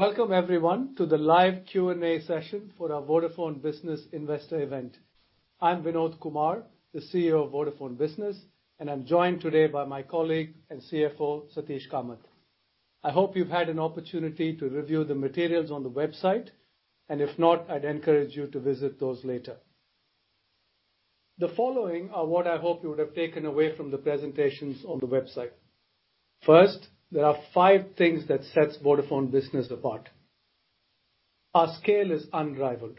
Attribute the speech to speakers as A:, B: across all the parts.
A: Welcome everyone to the live Q&A session for our Vodafone Business Investor event. I'm Vinod Kumar, the CEO of Vodafone Business, and I'm joined today by my colleague and CFO, Sateesh Kamath. I hope you've had an opportunity to review the materials on the website, and if not, I'd encourage you to visit those later. The following are what I hope you would have taken away from the presentations on the website. First, there are five things that sets Vodafone Business apart. Our scale is unrivaled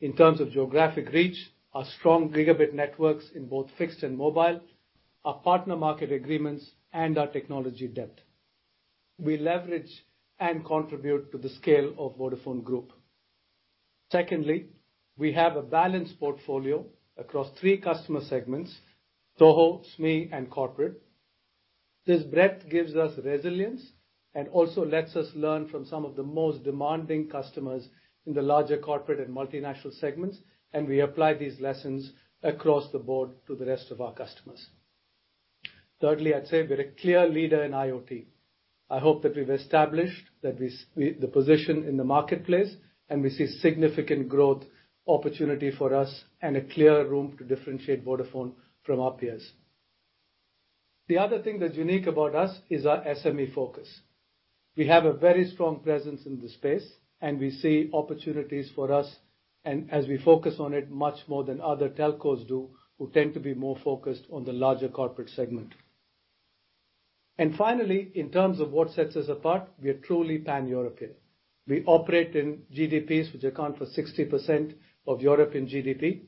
A: in terms of geographic reach, our strong gigabit networks in both fixed and mobile, our partner market agreements, and our technology depth. We leverage and contribute to the scale of Vodafone Group. Secondly, we have a balanced portfolio across three customer segments, SOHO, SME, and corporate. This breadth gives us resilience and also lets us learn from some of the most demanding customers in the larger corporate and multinational segments, and we apply these lessons across the board to the rest of our customers. Thirdly, I'd say we're a clear leader in IoT. I hope that we've established the position in the marketplace, and we see significant growth opportunity for us and a clear room to differentiate Vodafone from our peers. The other thing that's unique about us is our SME focus. We have a very strong presence in the space, and we see opportunities for us, as we focus on it much more than other telcos do, who tend to be more focused on the larger corporate segment. Finally, in terms of what sets us apart, we are truly pan-European. We operate in GDPs, which account for 60% of European GDP.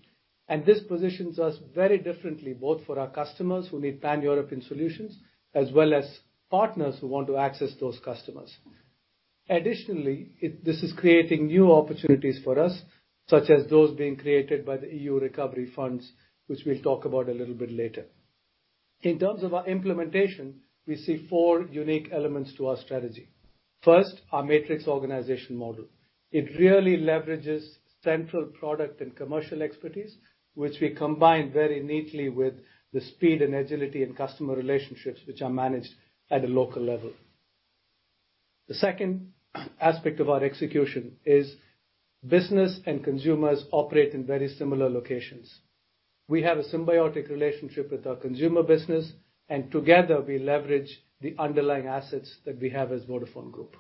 A: This positions us very differently, both for our customers who need pan-European solutions, as well as partners who want to access those customers. Additionally, this is creating new opportunities for us, such as those being created by the EU recovery funds, which we'll talk about a little bit later. In terms of our implementation, we see four unique elements to our strategy. First, our matrix organization model. It really leverages central product and commercial expertise, which we combine very neatly with the speed and agility and customer relationships which are managed at a local level. The second aspect of our execution is business and consumers operate in very similar locations. We have a symbiotic relationship with our consumer business, together we leverage the underlying assets that we have as Vodafone Group.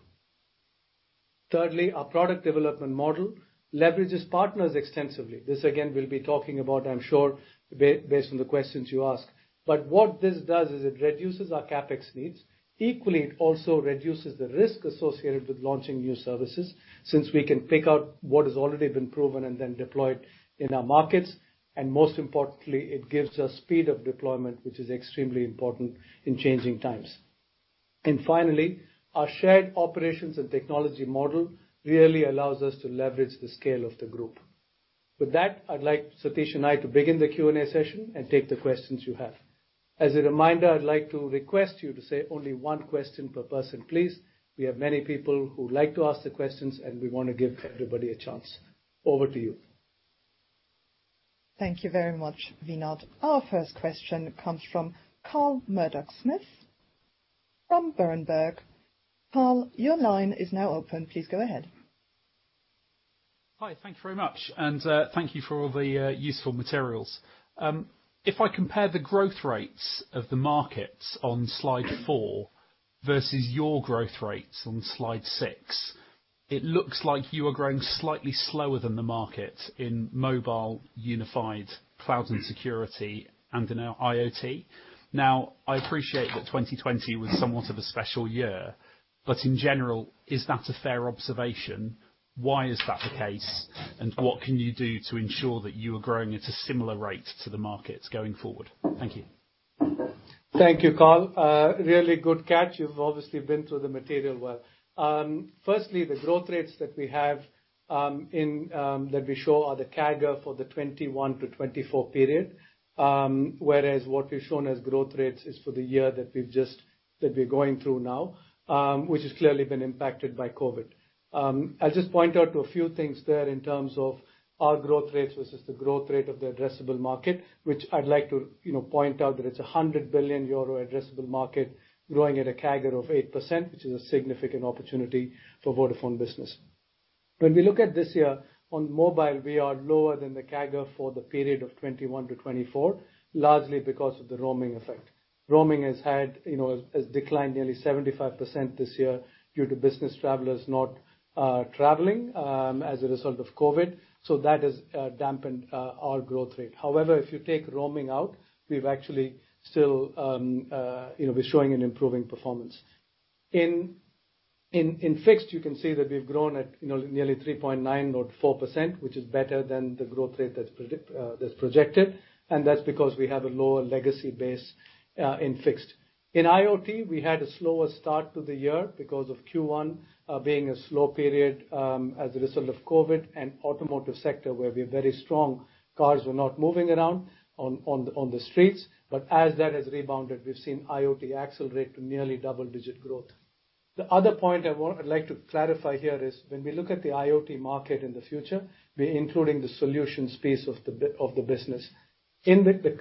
A: Thirdly, our product development model leverages partners extensively. This, again, we'll be talking about, I'm sure, based on the questions you ask. What this does is it reduces our CapEx needs. Equally, it also reduces the risk associated with launching new services, since we can pick out what has already been proven and then deployed in our markets. Most importantly, it gives us speed of deployment, which is extremely important in changing times. Finally, our shared operations and technology model really allows us to leverage the scale of the group. With that, I'd like Sateesh and I to begin the Q&A session and take the questions you have. As a reminder, I'd like to request you to say only one question per person, please. We have many people who like to ask the questions, and we want to give everybody a chance. Over to you.
B: Thank you very much, Vinod. Our first question comes from Carl Murdock-Smith, from Berenberg. Carl, your line is now open. Please go ahead.
C: Hi. Thank you very much. Thank you for all the useful materials. If I compare the growth rates of the markets on slide four versus your growth rates on slide six, it looks like you are growing slightly slower than the market in mobile, unified cloud and security, and in IoT. I appreciate that 2020 was somewhat of a special year, but in general, is that a fair observation? Why is that the case, and what can you do to ensure that you are growing at a similar rate to the markets going forward? Thank you.
A: Thank you, Carl. Really good catch. You've obviously been through the material well. Firstly, the growth rates that we show are the CAGR for the 2021 to 2024 period. Whereas what we've shown as growth rates is for the year that we're going through now, which has clearly been impacted by COVID. I'll just point out a few things there in terms of our growth rates versus the growth rate of the addressable market, which I'd like to point out that it's a 100 billion euro addressable market growing at a CAGR of 8%, which is a significant opportunity for Vodafone Business. When we look at this year on mobile, we are lower than the CAGR for the period of 2021 to 2024, largely because of the roaming effect. Roaming has declined nearly 75% this year due to business travelers not traveling as a result of COVID. That has dampened our growth rate. However, if you take roaming out, we've actually still been showing an improving performance. In fixed, you can see that we've grown at nearly 3.9% or 4%, which is better than the growth rate that's projected, and that's because we have a lower legacy base in fixed. In IoT, we had a slower start to the year because of Q1 being a slow period as a result of COVID and automotive sector where we're very strong. Cars were not moving around on the streets. As that has rebounded, we've seen IoT accelerate to nearly double-digit growth. The other point I'd like to clarify here is when we look at the IoT market in the future, we are including the solution space of the business. In the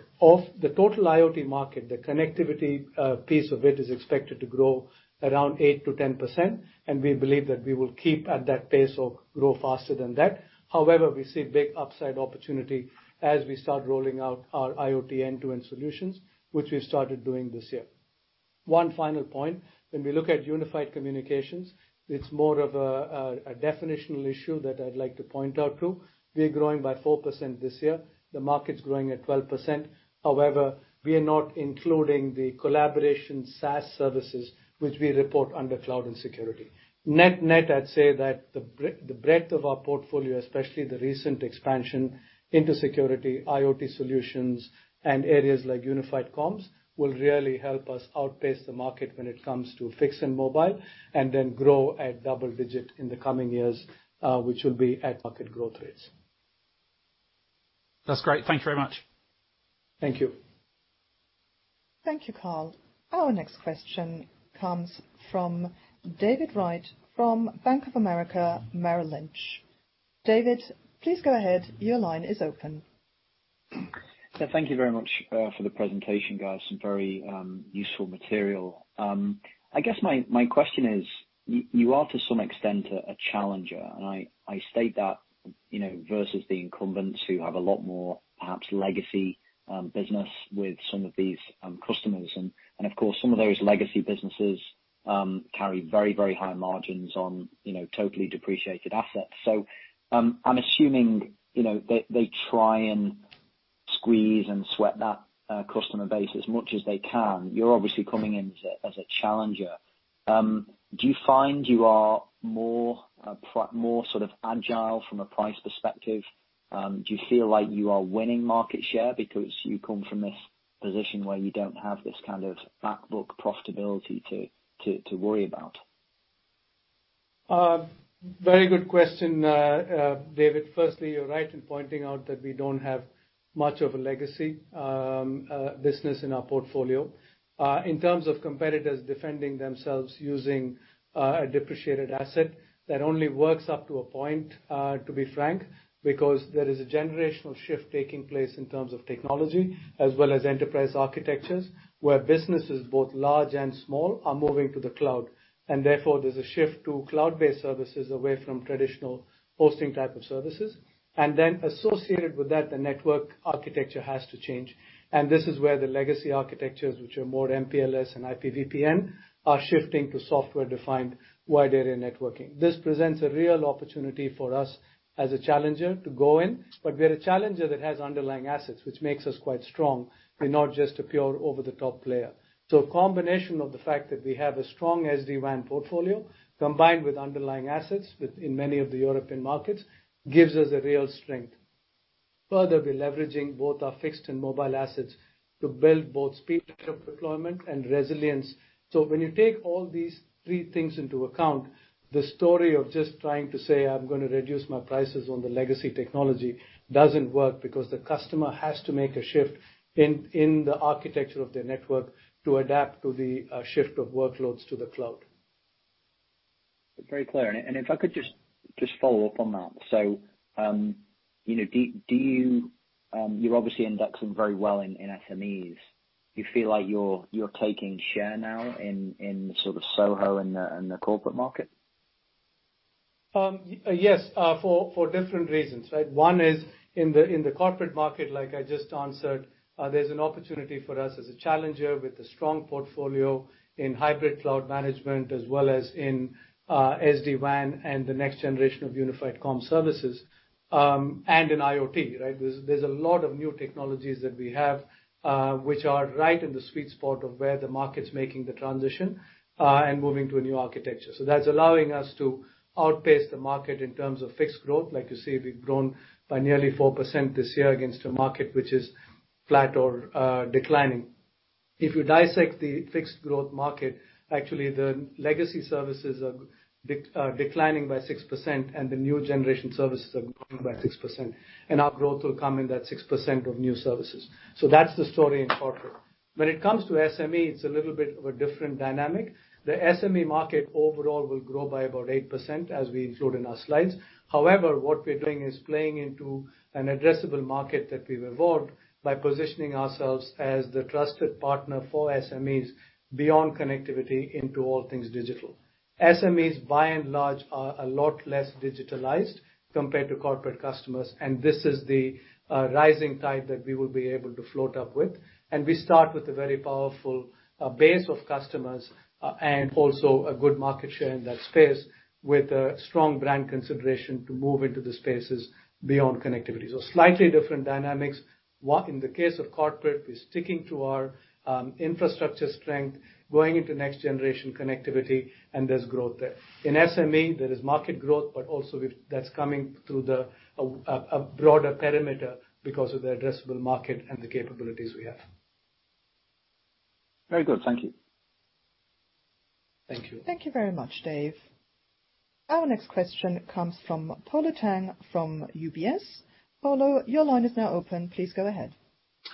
A: total IoT market, the connectivity piece of it is expected to grow around 8%-10%, and we believe that we will keep at that pace or grow faster than that. However, we see big upside opportunity as we start rolling out our IoT end-to-end solutions, which we have started doing this year. One final point. When we look at unified communications, it is more of a definitional issue that I would like to point out, too. We are growing by 4% this year. The market is growing at 12%. However, we are not including the collaboration SaaS services which we report under cloud and security. I'd say that the breadth of our portfolio, especially the recent expansion into security, IoT solutions, and areas like unified comms, will really help us outpace the market when it comes to fixed and mobile, and then grow at double digit in the coming years, which will be at market growth rates.
C: That's great. Thank you very much.
A: Thank you.
B: Thank you, Carl. Our next question comes from David Wright from Bank of America Merrill Lynch. David, please go ahead. Your line is open.
D: Thank you very much for the presentation, guys. Some very useful material. I guess my question is, you are to some extent a challenger, and I state that versus the incumbents who have a lot more perhaps legacy business with some of these customers, and of course, some of those legacy businesses carry very, very high margins on totally depreciated assets. I'm assuming they try and squeeze and sweat that customer base as much as they can. You're obviously coming in as a challenger. Do you find you are more sort of agile from a price perspective? Do you feel like you are winning market share because you come from this position where you don't have this kind of back book profitability to worry about?
A: Very good question, David. Firstly, you're right in pointing out that we don't have much of a legacy business in our portfolio. In terms of competitors defending themselves using a depreciated asset, that only works up to a point, to be frank, because there is a generational shift taking place in terms of technology as well as enterprise architectures, where businesses, both large and small, are moving to the cloud. Therefore, there's a shift to cloud-based services away from traditional hosting type of services. Then associated with that, the network architecture has to change. This is where the legacy architectures, which are more MPLS and IPVPN, are shifting to software-defined wide area networking. This presents a real opportunity for us as a challenger to go in, but we're a challenger that has underlying assets, which makes us quite strong. We're not just a pure over the top player. A combination of the fact that we have a strong SD-WAN portfolio, combined with underlying assets within many of the European markets, gives us a real strength. Further, we're leveraging both our fixed and mobile assets to build both speed of deployment and resilience. When you take all these three things into account, the story of just trying to say, "I'm gonna reduce my prices on the legacy technology," doesn't work, because the customer has to make a shift in the architecture of their network to adapt to the shift of workloads to the cloud.
D: Very clear. If I could just follow up on that. You're obviously inducting very well in SMEs. Do you feel like you're taking share now in the sort of SOHO and the corporate market?
A: Yes, for different reasons, right? One is, in the corporate market, like I just answered, there's an opportunity for us as a challenger with a strong portfolio in hybrid cloud management as well as in SD-WAN and the next generation of unified comm services, and in IoT, right? There's a lot of new technologies that we have, which are right in the sweet spot of where the market's making the transition, and moving to a new architecture. That's allowing us to outpace the market in terms of fixed growth. Like you see, we've grown by nearly 4% this year against a market which is flat or declining. If you dissect the fixed growth market, actually, the legacy services are declining by 6%, and the new generation services are growing by 6%. Our growth will come in that 6% of new services. That's the story in corporate. When it comes to SME, it's a little bit of a different dynamic. The SME market overall will grow by about 8%, as we include in our slides. What we're doing is playing into an addressable market that we've evolved by positioning ourselves as the trusted partner for SMEs beyond connectivity into all things digital. SMEs, by and large, are a lot less digitalized compared to corporate customers, and this is the rising tide that we will be able to float up with. We start with a very powerful base of customers, and also a good market share in that space, with a strong brand consideration to move into the spaces beyond connectivity. Slightly different dynamics. In the case of corporate, we're sticking to our infrastructure strength, going into next generation connectivity, and there's growth there. In SME, there is market growth, but also that's coming through a broader perimeter because of the addressable market and the capabilities we have.
D: Very good. Thank you.
A: Thank you.
B: Thank you very much, Dave. Our next question comes from Polo Tang from UBS. Polo, your line is now open. Please go ahead.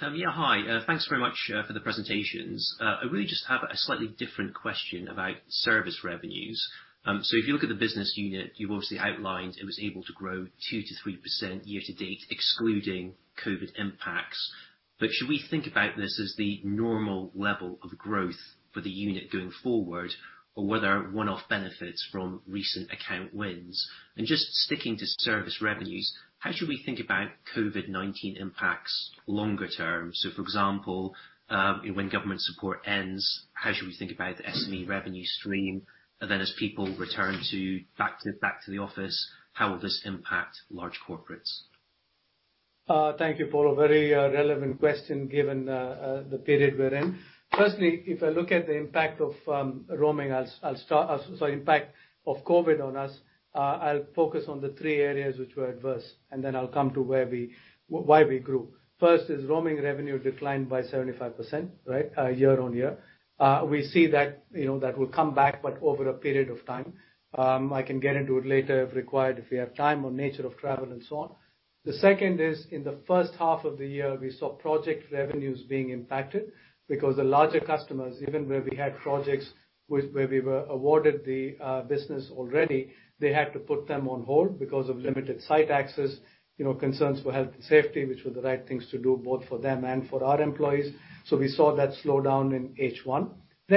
E: Yeah. Hi. Thanks very much for the presentations. I really just have a slightly different question about service revenues. If you look at the business unit, you've obviously outlined it was able to grow 2%-3% year-to-date, excluding COVID impacts. Should we think about this as the normal level of growth for the unit going forward, or were there one-off benefits from recent account wins? Just sticking to service revenues, how should we think about COVID-19 impacts longer term? For example, when government support ends, how should we think about the SME revenue stream? As people return back to the office, how will this impact large corporates?
A: Thank you, Polo. Very relevant question, given the period we're in. Firstly, if I look at the impact of roaming, impact of COVID on us, I'll focus on the three areas which were adverse, and then I'll come to why we grew. First is roaming revenue declined by 75%, right, year-over-year. We see that will come back, but over a period of time. I can get into it later if required, if we have time, on nature of travel and so on. The second is, in the first half of the year, we saw project revenues being impacted because the larger customers, even where we had projects where we were awarded the business already, they had to put them on hold because of limited site access, concerns for health and safety, which were the right things to do, both for them and for our employees. We saw that slow down in H1.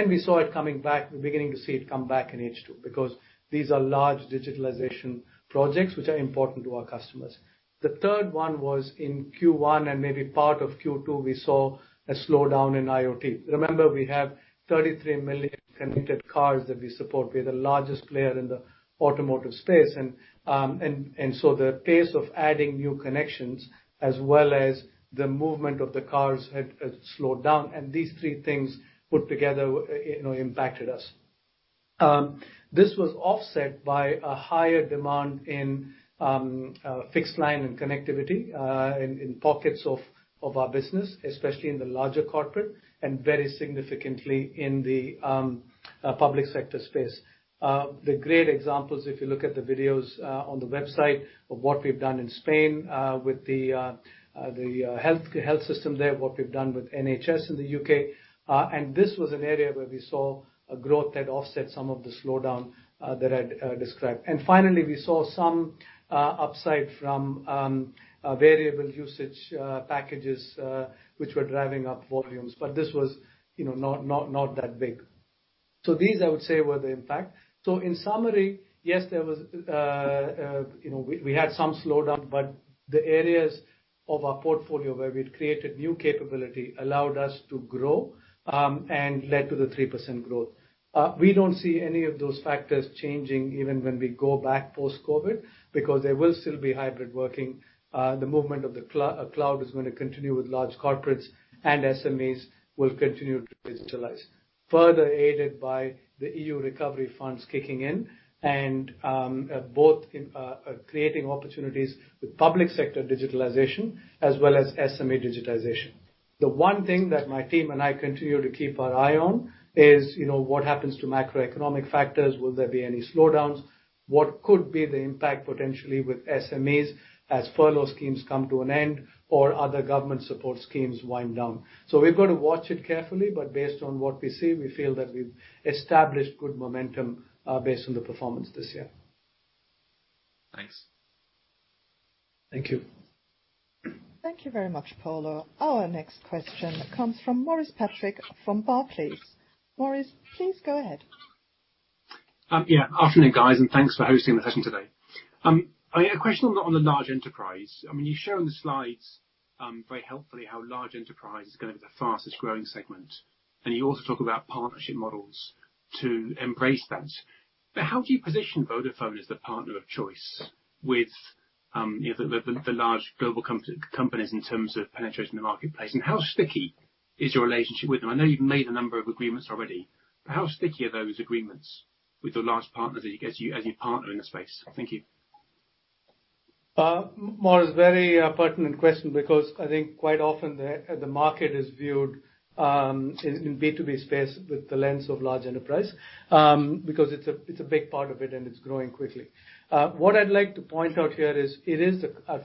A: We saw it coming back, we're beginning to see it come back in H2, because these are large digitalization projects, which are important to our customers. The third one was in Q1, and maybe part of Q2, we saw a slowdown in IoT. Remember, we have 33 million connected cars that we support. We're the largest player in the automotive space. The pace of adding new connections as well as the movement of the cars had slowed down. These three things put together impacted us. This was offset by a higher demand in fixed line and connectivity, in pockets of our business, especially in the larger corporate, and very significantly in the public sector space. The great examples, if you look at the videos on the website of what we've done in Spain with the health system there, what we've done with NHS in the U.K. This was an area where we saw a growth that offset some of the slowdown that I'd described. Finally, we saw some upside from variable usage packages, which were driving up volumes. This was not that big. These, I would say, were the impact. In summary, yes, we had some slowdown, but the areas of our portfolio where we'd created new capability allowed us to grow, and led to the 3% growth. We don't see any of those factors changing even when we go back post-COVID, because there will still be hybrid working. The movement of the cloud is going to continue with large corporates. SMEs will continue to digitalize, further aided by the EU recovery funds kicking in, both in creating opportunities with public sector digitalization as well as SME digitization. The one thing that my team and I continue to keep our eye on is what happens to macroeconomic factors. Will there be any slowdowns? What could be the impact potentially with SMEs as furlough schemes come to an end or other government support schemes wind down? We're going to watch it carefully. Based on what we see, we feel that we've established good momentum based on the performance this year.
E: Thanks.
A: Thank you.
B: Thank you very much, Polo. Our next question comes from Maurice Patrick from Barclays. Maurice, please go ahead.
F: Yeah. Afternoon, guys, and thanks for hosting the session today. I had a question on the large enterprise. You show on the slides very helpfully how large enterprise is gonna be the fastest growing segment, and you also talk about partnership models to embrace that. How do you position Vodafone as the partner of choice with the large global companies in terms of penetration in the marketplace, and how sticky is your relationship with them? I know you've made a number of agreements already, but how sticky are those agreements with the large partners as you partner in the space? Thank you.
A: Maurice, very pertinent question, because I think quite often, the market is viewed in B2B space with the lens of large enterprise, because it's a big part of it and it's growing quickly. What I'd like to point out here is,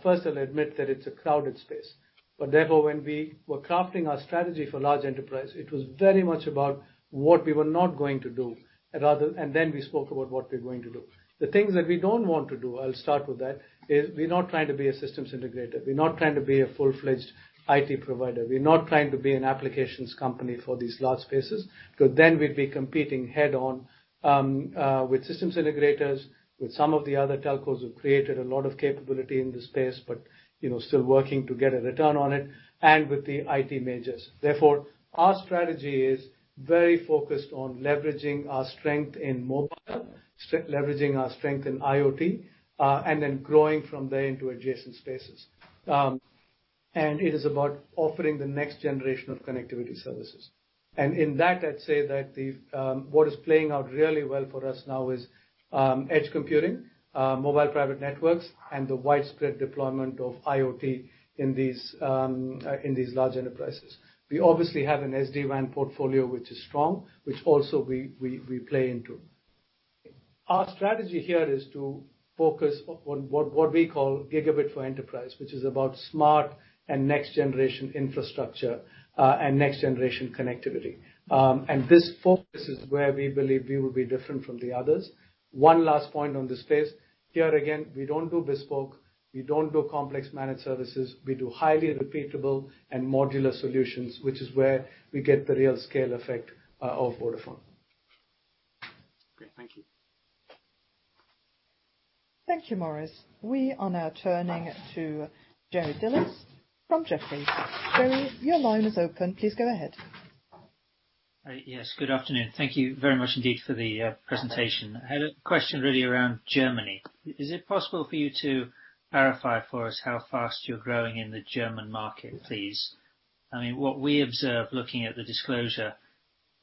A: first I'll admit that it's a crowded space. Therefore, when we were crafting our strategy for large enterprise, it was very much about what we were not going to do, and then we spoke about what we're going to do. The things that we don't want to do, I'll start with that, is we're not trying to be a systems integrator. We're not trying to be a full-fledged IT provider. We're not trying to be an applications company for these large spaces, because then we'd be competing head-on with systems integrators, with some of the other telcos who've created a lot of capability in this space, but still working to get a return on it, and with the IT majors. Therefore, our strategy is very focused on leveraging our strength in mobile, leveraging our strength in IoT, and then growing from there into adjacent spaces. It is about offering the next generation of connectivity services. In that, I'd say that what is playing out really well for us now is edge computing, Mobile Private Networks and the widespread deployment of IoT in these large enterprises. We obviously have an SD-WAN portfolio which is strong, which also we play into. Our strategy here is to focus on what we call Gigabit for Enterprise, which is about smart and next-generation infrastructure, and next-generation connectivity. This focus is where we believe we will be different from the others. One last point on this space. Here again, we don't do bespoke, we don't do complex managed services. We do highly repeatable and modular solutions, which is where we get the real scale effect of Vodafone.
F: Great. Thank you.
B: Thank you, Maurice. We are now turning to Jerry Dellis from Jefferies. Jerry, your line is open. Please go ahead.
G: Yes, good afternoon. Thank you very much indeed for the presentation. I had a question really around Germany. Is it possible for you to clarify for us how fast you're growing in the German market, please? What we observe looking at the disclosure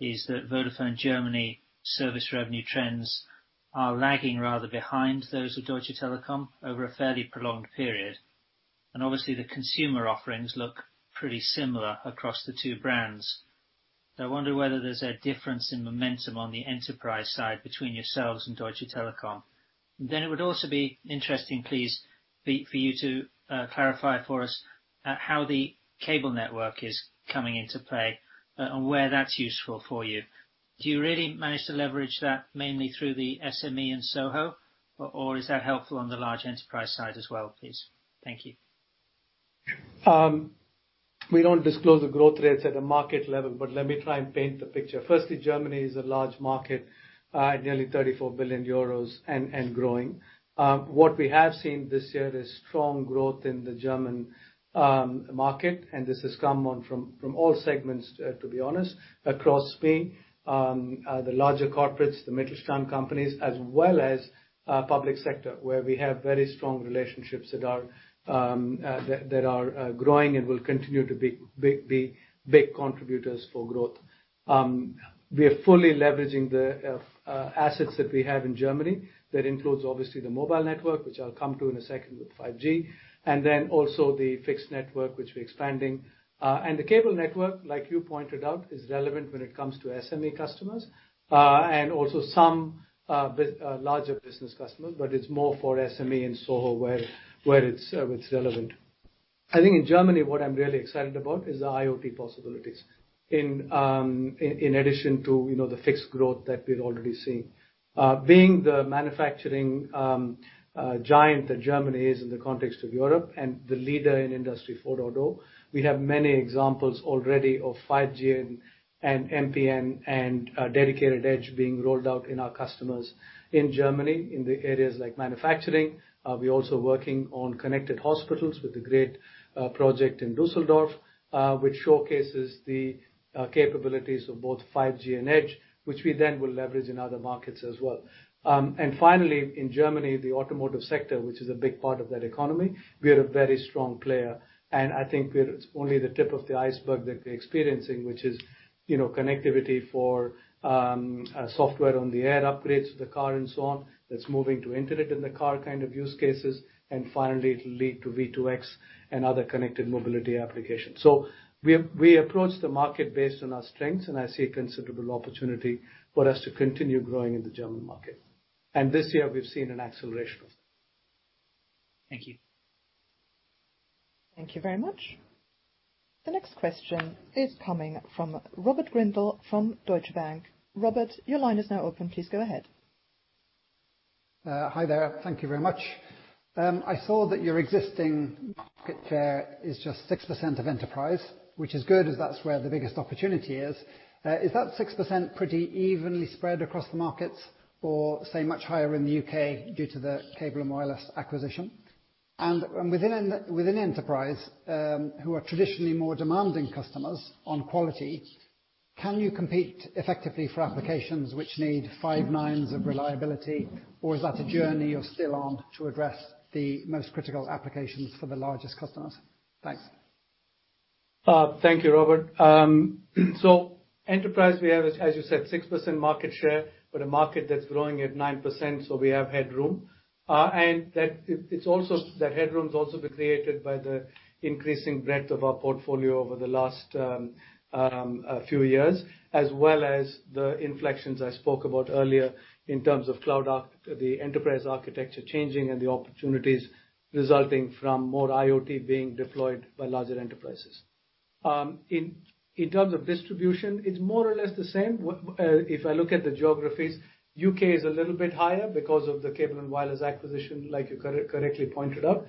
G: is that Vodafone Germany service revenue trends are lagging rather behind those of Deutsche Telekom over a fairly prolonged period, and obviously the consumer offerings look pretty similar across the two brands. I wonder whether there's a difference in momentum on the enterprise side between yourselves and Deutsche Telekom. It would also be interesting, please, for you to clarify for us how the cable network is coming into play and where that's useful for you. Do you really manage to leverage that mainly through the SME and SOHO, or is that helpful on the large enterprise side as well, please? Thank you.
A: We don't disclose the growth rates at a market level, but let me try and paint the picture. Firstly, Germany is a large market at nearly 34 billion euros and growing. What we have seen this year is strong growth in the German market, and this has come on from all segments, to be honest, across SME, the larger corporates, the Mittelstand companies, as well as public sector, where we have very strong relationships that are growing and will continue to be big contributors for growth. We are fully leveraging the assets that we have in Germany. That includes, obviously, the mobile network, which I'll come to in a second with 5G, and then also the fixed network, which we're expanding. The cable network, like you pointed out, is relevant when it comes to SME customers, and also some larger business customers, but it's more for SME and SOHO where it's relevant. I think in Germany, what I'm really excited about is the IoT possibilities in addition to the fixed growth that we're already seeing. Being the manufacturing giant that Germany is in the context of Europe and the leader in Industry 4.0, we have many examples already of 5G and MPN and Dedicated Edge being rolled out in our customers in Germany in the areas like manufacturing. We're also working on connected hospitals with a great project in Düsseldorf, which showcases the capabilities of both 5G and Edge, which we then will leverage in other markets as well. Finally, in Germany, the automotive sector, which is a big part of that economy, we are a very strong player. I think it's only the tip of the iceberg that we're experiencing, which is connectivity for software on the air upgrades for the car and so on, that's moving to internet in the car kind of use cases, and finally, it'll lead to V2X and other connected mobility applications. We approach the market based on our strengths, and I see a considerable opportunity for us to continue growing in the German market. This year we've seen an acceleration of that.
G: Thank you.
B: Thank you very much. The next question is coming from Robert Grindle from Deutsche Bank. Robert, your line is now open. Please go ahead.
H: Hi there. Thank you very much. I saw that your existing market share is just 6% of enterprise, which is good as that's where the biggest opportunity is. Is that 6% pretty evenly spread across the markets or, say, much higher in the U.K. due to the Cable & Wireless acquisition? Within enterprise, who are traditionally more demanding customers on quality, can you compete effectively for applications which need five nines of reliability, or is that a journey you're still on to address the most critical applications for the largest customers? Thanks.
A: Thank you, Robert. Enterprise, we have, as you said, 6% market share, but a market that's growing at 9%, so we have headroom. That headroom's also been created by the increasing breadth of our portfolio over the last few years, as well as the inflections I spoke about earlier in terms of the enterprise architecture changing and the opportunities resulting from more IoT being deployed by larger enterprises. In terms of distribution, it's more or less the same. If I look at the geographies, U.K. is a little bit higher because of the Cable & Wireless acquisition, like you correctly pointed out.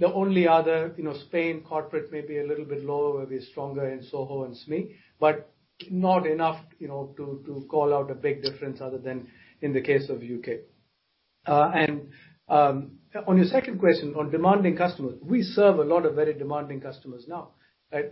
A: The only other, Spain corporate may be a little bit lower, we're stronger in SOHO and SME, but not enough to call out a big difference other than in the case of U.K. On your second question, on demanding customers, we serve a lot of very demanding customers now.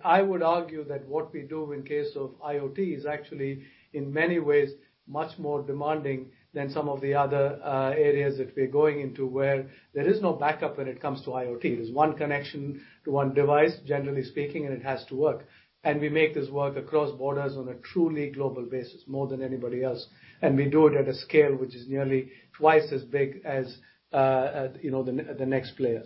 A: I would argue that what we do in case of IoT is actually, in many ways, much more demanding than some of the other areas that we're going into where there is no backup when it comes to IoT. There's one connection to one device, generally speaking, and it has to work. We make this work across borders on a truly global basis, more than anybody else. We do it at a scale which is nearly twice as big as the next player.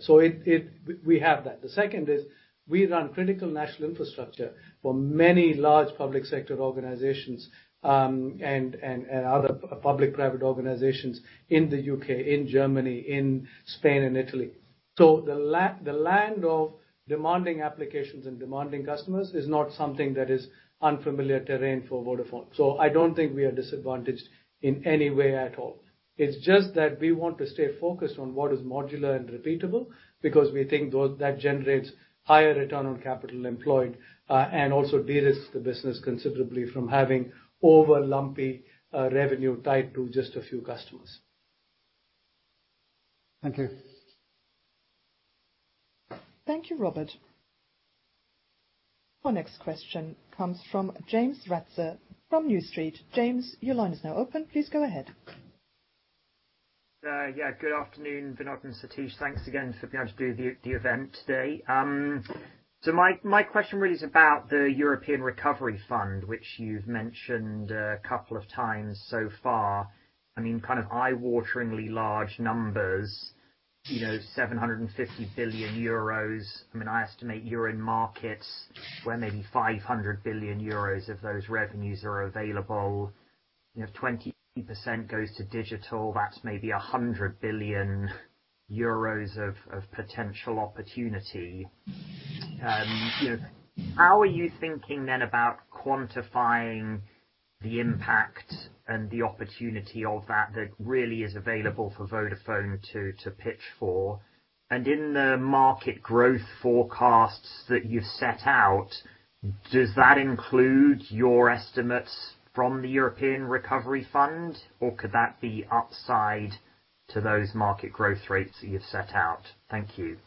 A: We have that. The second is, we run critical national infrastructure for many large public sector organizations, and other public-private organizations in the U.K., in Germany, in Spain, and Italy. The land of demanding applications and demanding customers is not something that is unfamiliar terrain for Vodafone. I don't think we are disadvantaged in any way at all. It's just that we want to stay focused on what is modular and repeatable, because we think that generates higher return on capital employed, and also de-risks the business considerably from having over lumpy revenue tied to just a few customers.
H: Thank you.
B: Thank you, Robert. Our next question comes from James Ratzer from New Street. James, your line is now open. Please go ahead.
I: Yeah. Good afternoon, Vinod and Sateesh. Thanks again for being able to do the event today. My question really is about the European Recovery Fund, which you've mentioned a couple of times so far. I mean, kind of eye-wateringly large numbers, EUR 750 billion. I estimate you're in markets where maybe 500 billion euros of those revenues are available. If 20% goes to digital, that's maybe 100 billion euros of potential opportunity. How are you thinking then about quantifying the impact and the opportunity of that really is available for Vodafone to pitch for? In the market growth forecasts that you've set out, does that include your estimates from the European Recovery Fund, or could that be upside to those market growth rates that you've set out? Thank you.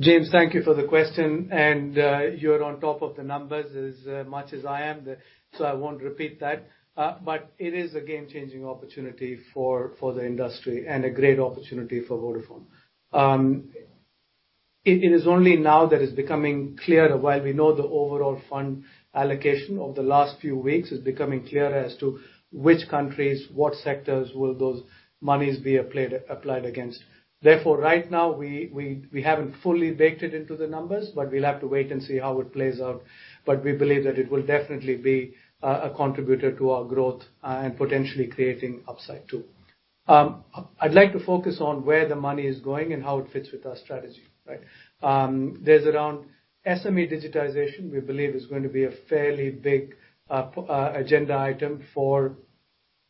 A: James, thank you for the question. You're on top of the numbers as much as I am, so I won't repeat that. It is a game-changing opportunity for the industry and a great opportunity for Vodafone. It is only now that it's becoming clearer. While we know the overall fund allocation of the last few weeks is becoming clearer as to which countries, what sectors will those monies be applied against. Therefore, right now, we haven't fully baked it into the numbers, but we'll have to wait and see how it plays out. We believe that it will definitely be a contributor to our growth, and potentially creating upside, too. I'd like to focus on where the money is going and how it fits with our strategy. There's around SME digitization, we believe is going to be a fairly big agenda item for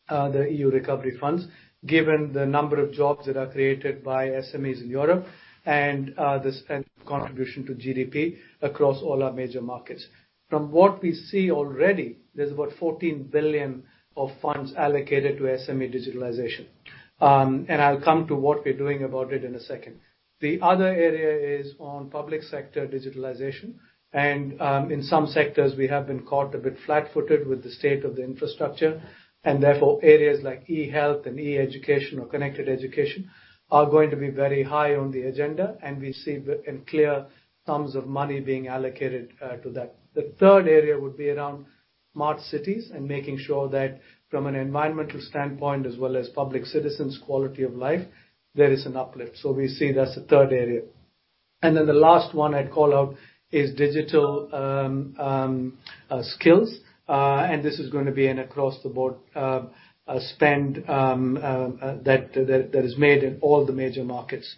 A: the EU recovery funds, given the number of jobs that are created by SMEs in Europe, and the contribution to GDP across all our major markets. From what we see already, there's about 14 billion of funds allocated to SME digitalization. I'll come to what we're doing about it in a second. The other area is on public sector digitalization, and in some sectors we have been caught a bit flat-footed with the state of the infrastructure, and therefore, areas like e-health and e-education or connected education are going to be very high on the agenda, and we see in clear sums of money being allocated to that. The third area would be around smart cities and making sure that from an environmental standpoint, as well as public citizens' quality of life, there is an uplift. We see that's the third area. The last one I'd call out is digital skills, and this is going to be an across-the-board spend that is made in all the major markets.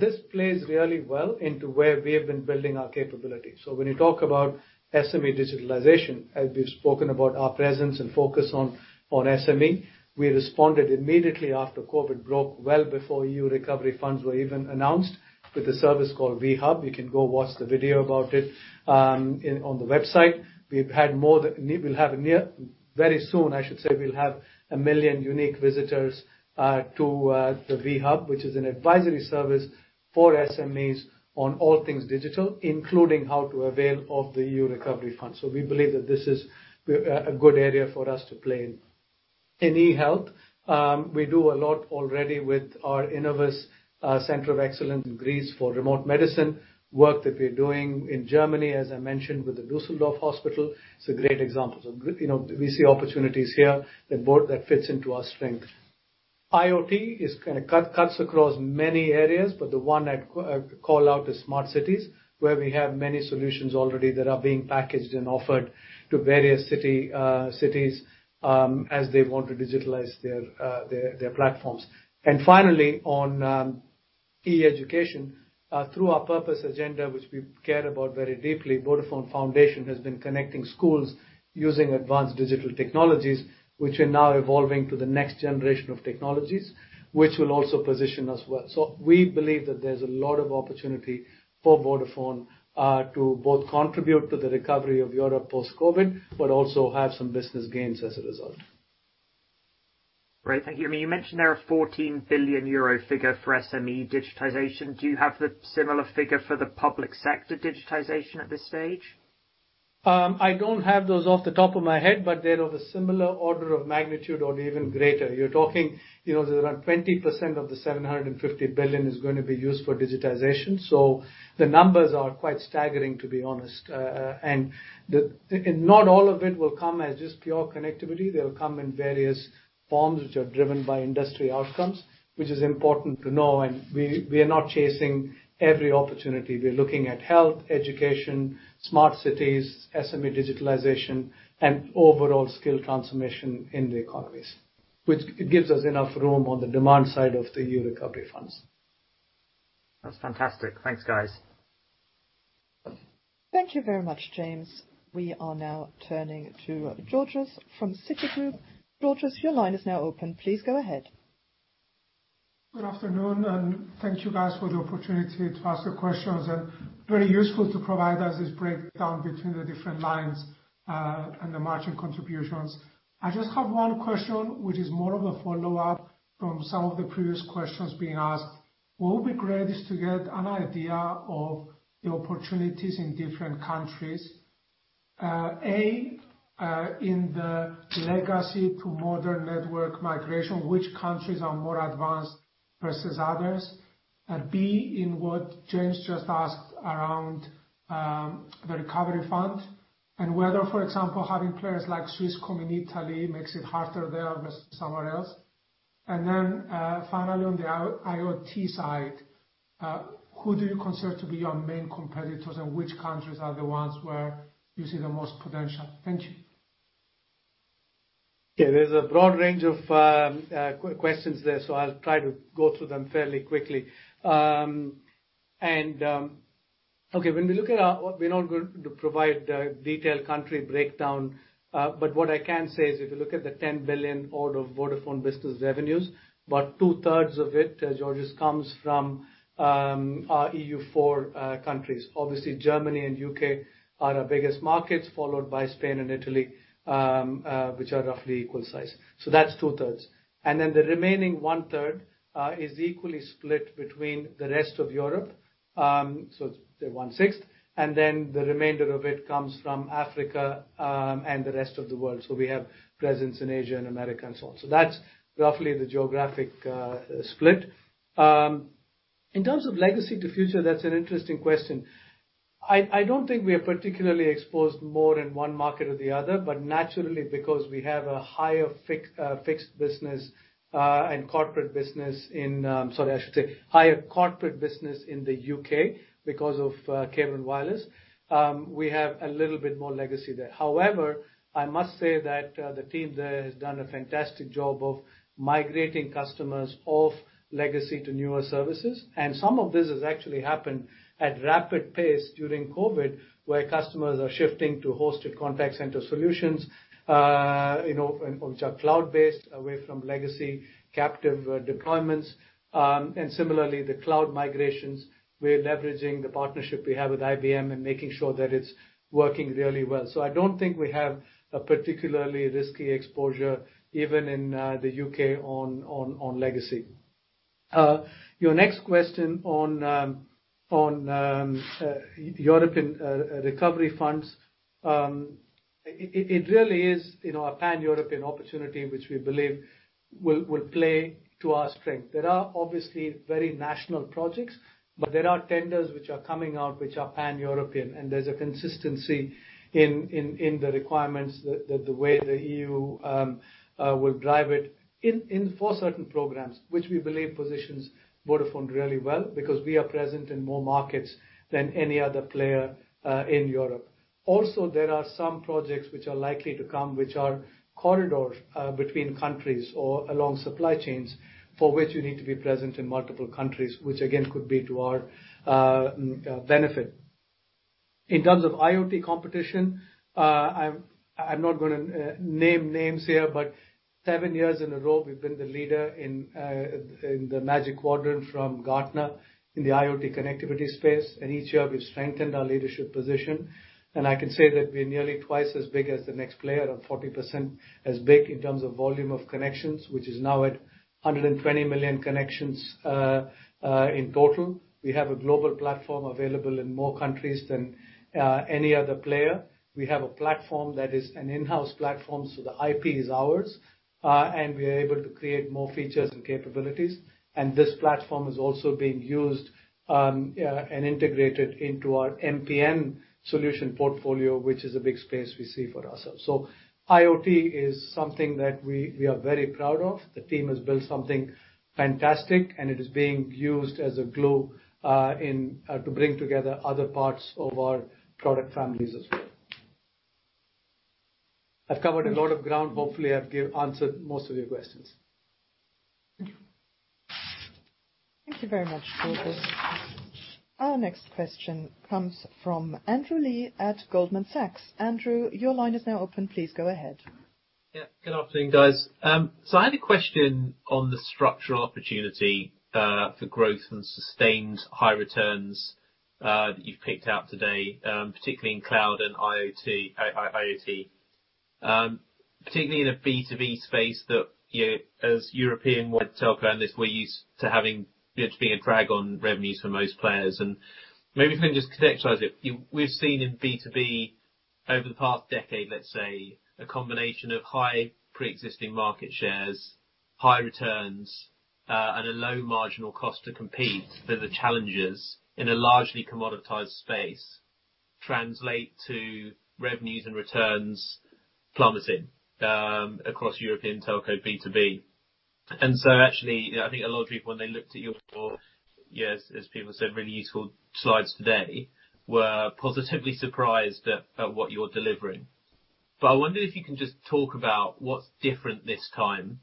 A: This plays really well into where we have been building our capabilities. When you talk about SME digitalization, as we've spoken about our presence and focus on SME, we responded immediately after COVID broke, well before EU recovery funds were even announced, with a service called V-Hub. You can go watch the video about it on the website. Very soon, I should say, we'll have 1 million unique visitors to the V-Hub, which is an advisory service for SMEs on all things digital, including how to avail of the EU Recovery Fund. We believe that this is a good area for us to play in. In e-health, we do a lot already with our Innovus Centre of Excellence in Greece for remote medicine, work that we're doing in Germany, as I mentioned, with the Düsseldorf Hospital, is a great example. IoT cuts across many areas, the one I'd call out is smart cities, where we have many solutions already that are being packaged and offered to various cities as they want to digitalize their platforms. Finally, on e-education, through our purpose agenda, which we care about very deeply, Vodafone Foundation has been connecting schools using advanced digital technologies, which are now evolving to the next generation of technologies, which will also position us well. We believe that there's a lot of opportunity for Vodafone to both contribute to the recovery of Europe post-COVID, but also have some business gains as a result.
I: Great. Thank you. You mentioned there a 14 billion euro figure for SME digitization. Do you have the similar figure for the public sector digitization at this stage?
A: I don't have those off the top of my head, but they're of a similar order of magnitude or even greater. You're talking around 20% of the 750 billion is going to be used for digitization. The numbers are quite staggering, to be honest. Not all of it will come as just pure connectivity. They'll come in various forms which are driven by industry outcomes, which is important to know. We are not chasing every opportunity. We are looking at health, education, smart cities, SME digitalization, and overall skill transformation in the economies, which gives us enough room on the demand side of the EU recovery funds.
I: That's fantastic. Thanks, guys.
B: Thank you very much, James. We are now turning to Georges from Citigroup. Georges, your line is now open. Please go ahead.
J: Good afternoon, thank you guys for the opportunity to ask the questions. Very useful to provide us this breakdown between the different lines, and the margin contributions. I just have one question, which is more of a follow-up from some of the previous questions being asked. What would be great is to get an idea of the opportunities in different countries, A, in the legacy to modern network migration, which countries are more advanced versus others? B, in what James just asked around the recovery fund, and whether, for example, having players like Swisscom in Italy makes it harder there versus somewhere else. Finally, on the IoT side, who do you consider to be your main competitors, and which countries are the ones where you see the most potential? Thank you.
A: Yeah. There's a broad range of questions there, so I'll try to go through them fairly quickly. Okay. We're not going to provide a detailed country breakdown. What I can say is if you look at the 10 billion order of Vodafone Business revenues, about two-thirds of it, Georges, comes from our EU four countries. Obviously, Germany and U.K. are our biggest markets, followed by Spain and Italy, which are roughly equal size. That's two-thirds. The remaining one-third is equally split between the rest of Europe, so say one-sixth. The remainder of it comes from Africa, and the rest of the world. We have presence in Asia and America and so on. That's roughly the geographic split. In terms of legacy to future, that's an interesting question. I don't think we are particularly exposed more in one market or the other, naturally because we have a higher fixed business, Sorry, I should say higher corporate business in the U.K. because of Cable & Wireless. We have a little bit more legacy there. I must say that the team there has done a fantastic job of migrating customers off legacy to newer services. Some of this has actually happened at rapid pace during COVID, where customers are shifting to hosted contact center solutions, which are cloud-based away from legacy captive deployments. Similarly, the cloud migrations, we are leveraging the partnership we have with IBM and making sure that it's working really well. I don't think we have a particularly risky exposure, even in the U.K. on legacy. Your next question on European recovery funds. It really is a pan-European opportunity, which we believe will play to our strength. There are obviously very national projects, but there are tenders which are coming out, which are pan-European, and there's a consistency in the requirements that the way the EU will drive it for certain programs, which we believe positions Vodafone really well because we are present in more markets than any other player in Europe. There are some projects which are likely to come, which are corridors between countries or along supply chains, for which we need to be present in multiple countries, which again, could be to our benefit. In terms of IoT competition, I'm not gonna name names here, but seven years in a row, we've been the leader in the Magic Quadrant from Gartner in the IoT connectivity space, and each year we've strengthened our leadership position. I can say that we are nearly twice as big as the next player or 40% as big in terms of volume of connections, which is now at 120 million connections in total. We have a global platform available in more countries than any other player. We have a platform that is an in-house platform, so the IP is ours, and we are able to create more features and capabilities. This platform is also being used, and integrated into our MPM solution portfolio, which is a big space we see for ourselves. IoT is something that we are very proud of. The team has built something fantastic, and it is being used as a glue to bring together other parts of our product families as well. I've covered a lot of ground. Hopefully, I've answered most of your questions.
B: Thank you. Thank you very much, Georges. Our next question comes from Andrew Lee at Goldman Sachs. Andrew, your line is now open. Please go ahead.
K: Yeah. Good afternoon, guys. I had a question on the structural opportunity for growth and sustained high returns, that you've picked out today, particularly in cloud and IoT. Particularly in a B2B space that as European-wide telco, and this we're used to it being a drag on revenues for most players. Maybe if you can just contextualize it. We've seen in B2B over the past decade, let's say, a combination of high preexisting market shares, high returns, and a low marginal cost to compete. That the challenges in a largely commoditized space translate to revenues and returns plummeting across European telco B2B. Actually, I think a lot of people when they looked at your, as people said, really useful slides today, were positively surprised at what you're delivering. I wonder if you can just talk about what's different this time,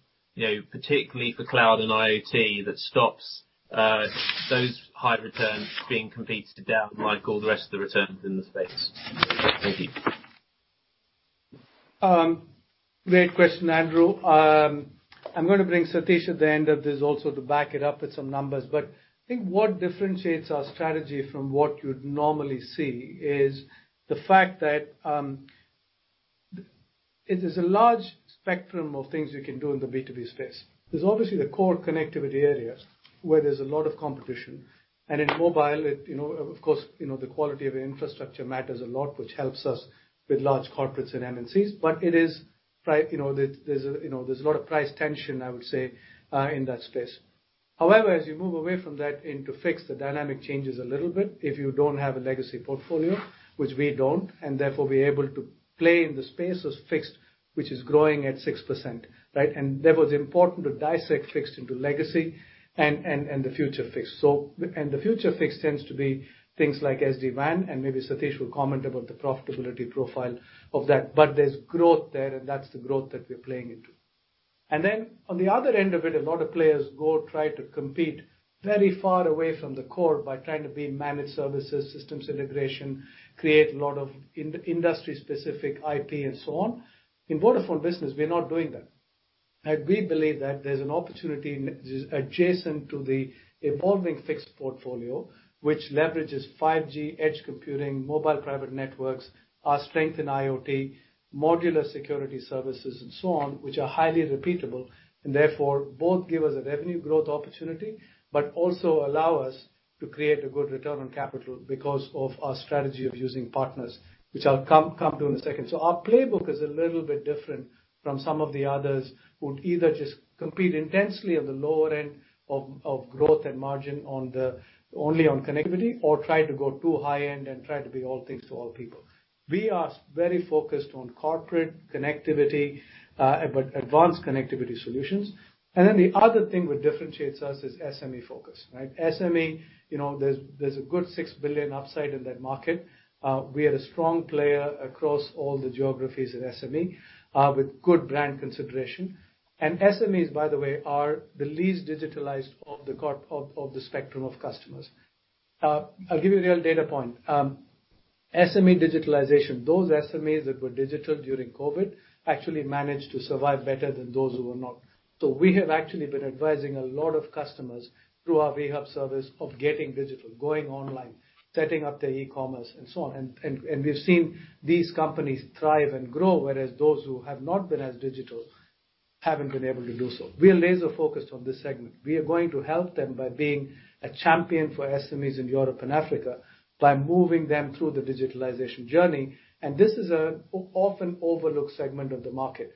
K: particularly for cloud and IoT, that stops those high returns being competed down like all the rest of the returns in the space. Thank you.
A: Great question, Andrew. I'm going to bring Sateesh at the end of this also to back it up with some numbers. I think what differentiates our strategy from what you'd normally see is the fact that, it is a large spectrum of things you can do in the B2B space. There's obviously the core connectivity areas where there's a lot of competition. In mobile, of course, the quality of infrastructure matters a lot, which helps us with large corporates and MNCs. There's a lot of price tension, I would say, in that space. However, as you move away from that into fixed, the dynamic changes a little bit if you don't have a legacy portfolio, which we don't, and therefore we're able to play in the space as fixed, which is growing at 6%. Right? That was important to dissect fixed into legacy and the future fixed. The future fixed tends to be things like SD-WAN, and maybe Sateesh will comment about the profitability profile of that. There's growth there, and that's the growth that we're playing into. Then on the other end of it, a lot of players go try to compete very far away from the core by trying to be managed services, systems integration, create a lot of industry-specific IP, and so on. In Vodafone Business, we're not doing that. We believe that there's an opportunity adjacent to the evolving fixed portfolio, which leverages 5G, edge computing, Mobile Private Networks, our strength in IoT, modular security services, and so on, which are highly repeatable, and therefore both give us a revenue growth opportunity, but also allow us to create a good return on capital because of our strategy of using partners, which I'll come to in a second. Our playbook is a little bit different from some of the others who'd either just compete intensely on the lower end of growth and margin only on connectivity or try to go too high-end and try to be all things to all people. We are very focused on corporate connectivity, but advanced connectivity solutions. Then the other thing which differentiates us is SME focus. Right. SME, there's a good 6 billion upside in that market. We are a strong player across all the geographies in SME, with good brand consideration. SMEs, by the way, are the least digitalized of the spectrum of customers. I'll give you a real data point. SME digitalization. Those SMEs that were digital during COVID, actually managed to survive better than those who were not. We have actually been advising a lot of customers through our V-Hub service of getting digital, going online, setting up their e-commerce, and so on. We've seen these companies thrive and grow, whereas those who have not been as digital haven't been able to do so. We are laser-focused on this segment. We are going to help them by being a champion for SMEs in Europe and Africa by moving them through the digitalization journey. This is an often overlooked segment of the market.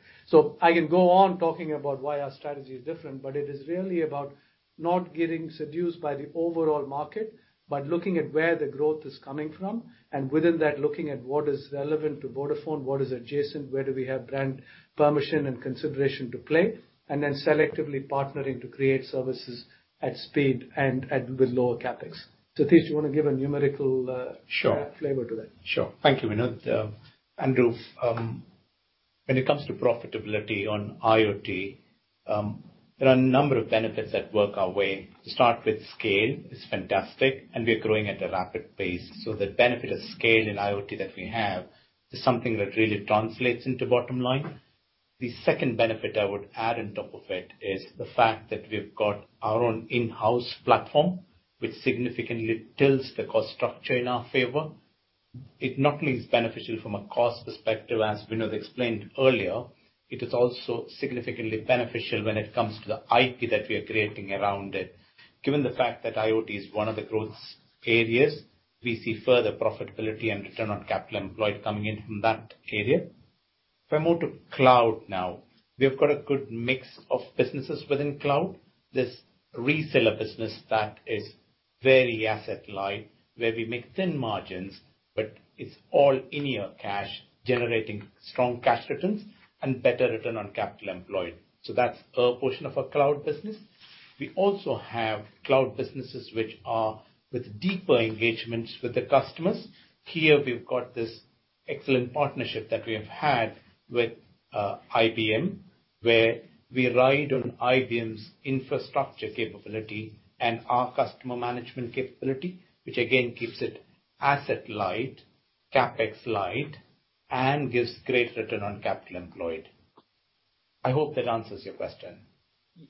A: I can go on talking about why our strategy is different, but it is really about not getting seduced by the overall market, but looking at where the growth is coming from. Within that, looking at what is relevant to Vodafone, what is adjacent, where do we have brand permission and consideration to play, and then selectively partnering to create services at speed and with lower CapEx. Sateesh, do you want to give a numerical-
L: Sure
A: flavor to that?
L: Sure. Thank you, Vinod. Andrew, when it comes to profitability on IoT, there are a number of benefits that work our way. To start with, scale is fantastic, and we are growing at a rapid pace. The benefit of scale in IoT that we have is something that really translates into bottom line. The second benefit I would add on top of it is the fact that we've got our own in-house platform, which significantly tilts the cost structure in our favor. It not only is beneficial from a cost perspective, as Vinod explained earlier, it is also significantly beneficial when it comes to the IP that we are creating around it. Given the fact that IoT is one of the growth areas, we see further profitability and return on capital employed coming in from that area. If I move to cloud now. We've got a good mix of businesses within cloud. There's reseller business that is very asset light, where we make thin margins, it's all in-year cash, generating strong cash returns and better return on capital employed. That's a portion of our cloud business. We also have cloud businesses which are with deeper engagements with the customers. Here, we've got this excellent partnership that we have had with IBM, where we ride on IBM's infrastructure capability and our customer management capability, which again keeps it asset light, CapEx light, and gives great return on capital employed.
A: I hope that answers your question.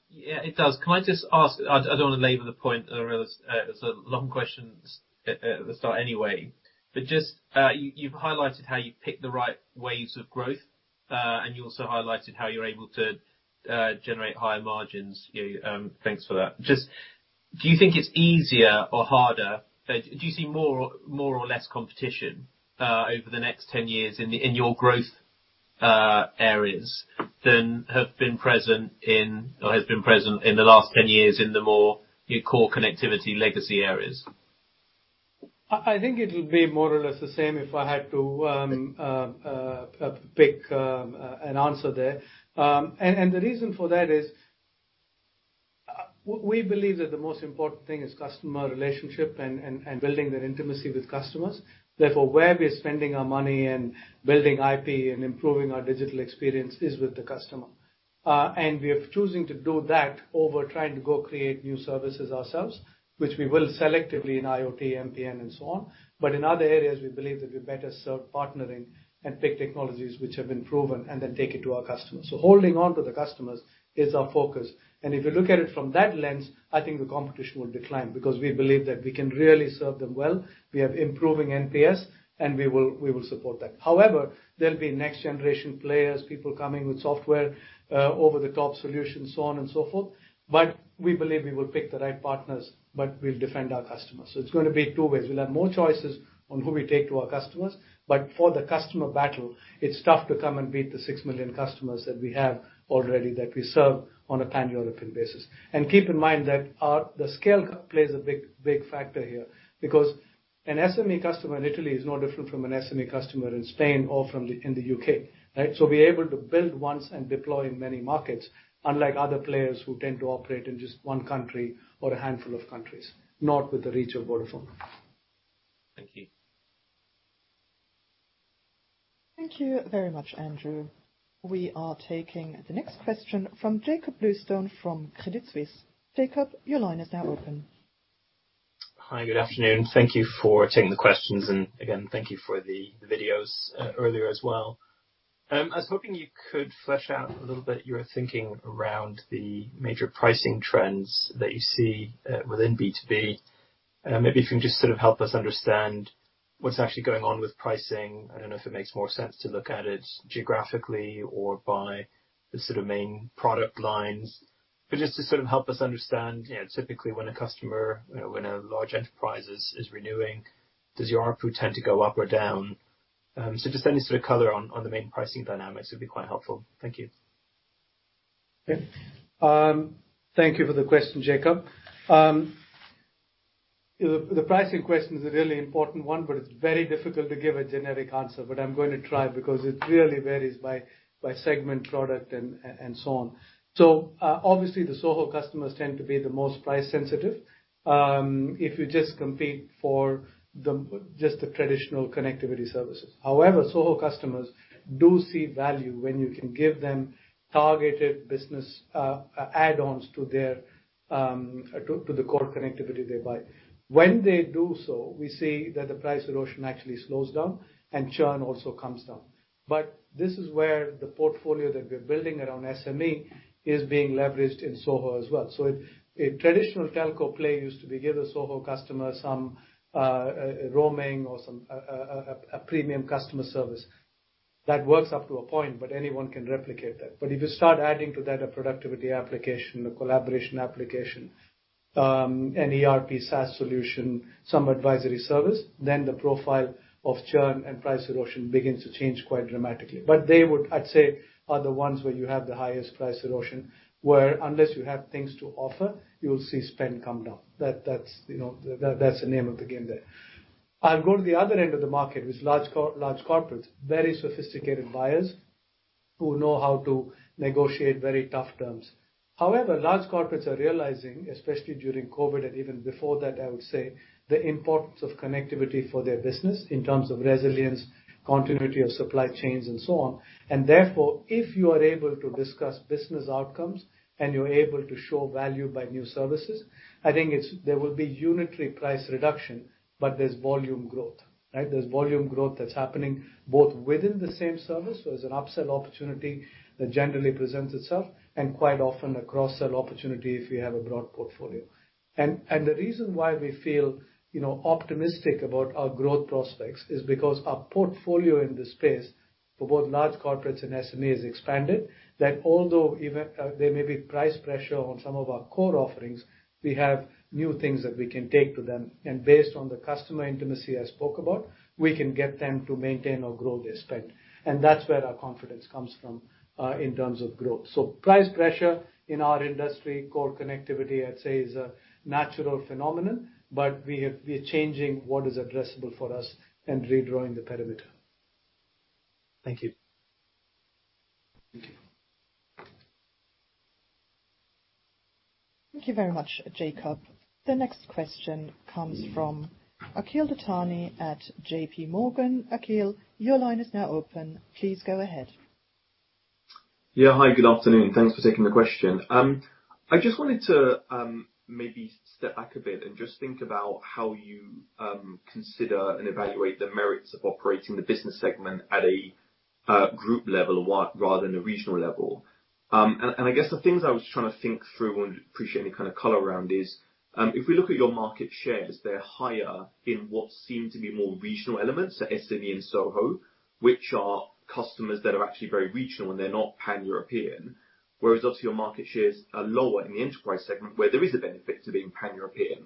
K: Yeah, it does. Can I just ask, I don't want to labor the point. I realize it's a long question at the start anyway, but you've highlighted how you've picked the right waves of growth, and you also highlighted how you're able to generate higher margins. Thanks for that. Do you think it's easier or harder? Do you see more or less competition over the next 10 years in your growth areas than have been present, or has been present in the last 10 years in the more core connectivity legacy areas?
A: I think it'll be more or less the same if I had to pick an answer there. The reason for that is, we believe that the most important thing is customer relationship and building that intimacy with customers. Therefore, where we are spending our money and building IP and improving our digital experience is with the customer. We are choosing to do that over trying to go create new services ourselves, which we will selectively in IoT, MPN, and so on. In other areas, we believe that we're better served partnering and pick technologies which have been proven and then take it to our customers. Holding onto the customers is our focus. If you look at it from that lens, I think the competition will decline because we believe that we can really serve them well. We have improving NPS, and we will support that. However, there'll be next generation players, people coming with software, over-the-top solutions, so on and so forth. We believe we will pick the right partners, but we'll defend our customers. It's going to be two ways. We'll have more choices on who we take to our customers, but for the customer battle, it's tough to come and beat the 6 million customers that we have already that we serve on a pan-European basis. Keep in mind that the scale plays a big factor here, because an SME customer in Italy is no different from an SME customer in Spain or from in the U.K., right? We're able to build once and deploy in many markets, unlike other players who tend to operate in just one country or a handful of countries, not with the reach of Vodafone.
K: Thank you.
B: Thank you very much, Andrew. We are taking the next question from Jakob Bluestone from Credit Suisse. Jakob, your line is now open.
M: Hi. Good afternoon. Thank you for taking the questions, and again, thank you for the videos earlier as well. I was hoping you could flesh out a little bit your thinking around the major pricing trends that you see within B2B. Maybe if you can just sort of help us understand what's actually going on with pricing. I don't know if it makes more sense to look at it geographically or by the sort of main product lines, but just to sort of help us understand, typically, when a customer, when a large enterprise is renewing, does your ARPU tend to go up or down? Just any sort of color on the main pricing dynamics would be quite helpful. Thank you.
A: Okay. Thank you for the question, Jakob. The pricing question is a really important one, but it's very difficult to give a generic answer. I'm going to try because it really varies by segment, product, and so on. Obviously the SOHO customers tend to be the most price sensitive, if you just compete for just the traditional connectivity services. However, SOHO customers do see value when you can give them targeted business add-ons to the core connectivity they buy. When they do so, we see that the price erosion actually slows down and churn also comes down. This is where the portfolio that we're building around SME is being leveraged in SOHO as well. A traditional telco play used to be give a SOHO customer some roaming or a premium customer service. That works up to a point, anyone can replicate that. If you start adding to that a productivity application, a collaboration application, an ERP SaaS solution, some advisory service, then the profile of churn and price erosion begins to change quite dramatically. They would, I'd say, are the ones where you have the highest price erosion, where unless you have things to offer, you'll see spend come down. That's the name of the game there. I'll go to the other end of the market, with large corporates, very sophisticated buyers who know how to negotiate very tough terms. Large corporates are realizing, especially during COVID and even before that, I would say, the importance of connectivity for their business in terms of resilience, continuity of supply chains, and so on. Therefore, if you are able to discuss business outcomes and you're able to show value by new services, I think there will be unitary price reduction, but there's volume growth, right? There's volume growth that's happening both within the same service, so there's an upsell opportunity that generally presents itself, and quite often a cross-sell opportunity if we have a broad portfolio. The reason why we feel optimistic about our growth prospects is because our portfolio in this space for both large corporates and SMEs expanded, that although there may be price pressure on some of our core offerings, we have new things that we can take to them. Based on the customer intimacy I spoke about, we can get them to maintain or grow their spend. That's where our confidence comes from in terms of growth. Price pressure in our industry, core connectivity, I'd say, is a natural phenomenon, but we are changing what is addressable for us and redrawing the perimeter.
M: Thank you.
A: Thank you.
B: Thank you very much, Jakob. The next question comes from Akhil Dattani at JPMorgan. Akhil, your line is now open. Please go ahead.
N: Yeah. Hi, good afternoon. Thanks for taking the question. I just wanted to maybe step back a bit and just think about how you consider and evaluate the merits of operating the business segment at a group level rather than a regional level. I guess the things I was trying to think through, and would appreciate any kind of color around, is if we look at your market shares, they're higher in what seem to be more regional elements, so SME and SOHO, which are customers that are actually very regional, and they're not Pan-European. Whereas obviously your market shares are lower in the enterprise segment where there is a benefit to being Pan-European.